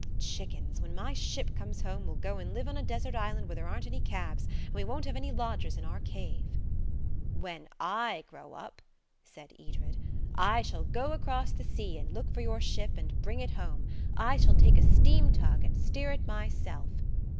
Chickens! when my ship comes home we'll go and live on a desert island where there aren't any cabs, and we won't have any lodgers in our cave." "When I grow up," said Edred, "I shall go across the sea and look for your ship and bring it home. I shall take a steam tug and steer it myself."